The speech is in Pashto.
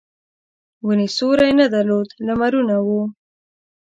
ونې سیوری نه درلود لمرونه وو.